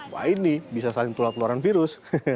wah ini bisa saling telah keluarkan virus